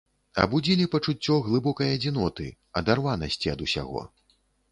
Абудзілі пачуццё глыбокай адзіноты, адарванасці ад усяго.